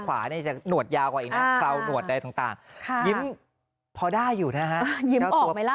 คราวหนวดใดต่างยิ้มพอได้อยู่นะฮะยิ้มออกไหมล่ะ